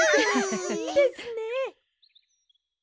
いいですね！